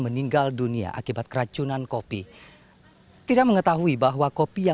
aimai munah istriwa